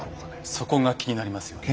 そこが気になりますよね。